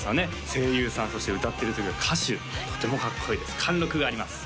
声優さんそして歌ってる時は歌手とてもかっこいいです貫禄があります